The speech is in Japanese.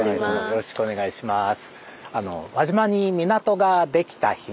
よろしくお願いします。